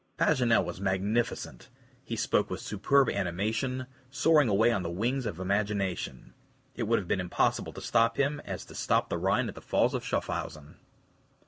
Paganel was magnificent. He spoke with superb animation, soaring away on the wings of imagination. It would have been as impossible to stop him as to stop the Rhine at the Falls of Schaffhausen.